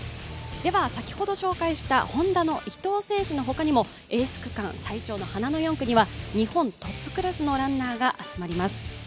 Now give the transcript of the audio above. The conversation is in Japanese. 先ほど紹介したＨｏｎｄａの伊藤選手のほかにもエース区間最長の花の４区には日本トップクラスのランナーが集まります。